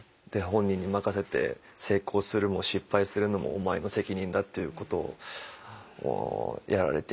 本人に任せて成功するも失敗するのもお前の責任だっていうことをやられていて。